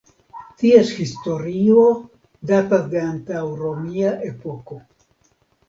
Ties historio datas de antaŭromia epoko.